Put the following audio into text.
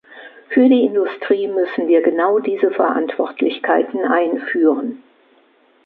Für die Industrie müssen wir genau diese Verantwortlichkeiten einführen.